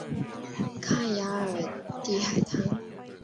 康雅尔蒂海滩。